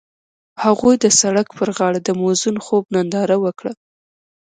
هغوی د سړک پر غاړه د موزون خوب ننداره وکړه.